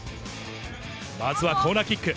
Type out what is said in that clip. まずはコーナーキック。